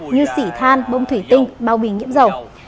như xỉ than bơm thủy tinh bao bì nhiễm dầu